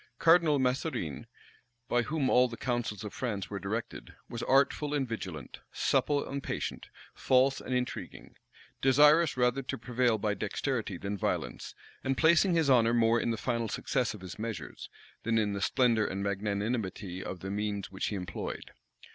Cardinal Mazarine, by whom all the counsels of France were directed, was artful and vigilant, supple and patient, false and intriguing; desirous rather to prevail by dexterity than violence, and placing his honor more in the final success of his measures, than in the splendor and magnanimity of the means which he employed.